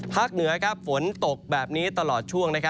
เหนือฝนตกแบบนี้ตลอดช่วง